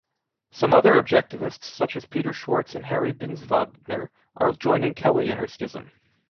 Some Other objectivists such as Peter Schwartz and Harry Binswanger are joining Kelley in her schism.